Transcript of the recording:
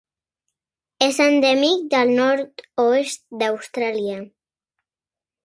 És endèmic del nord-oest d'Austràlia.